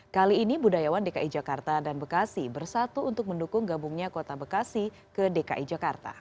kali ini budayawan dki jakarta dan bekasi bersatu untuk mendukung gabungnya kota bekasi ke dki jakarta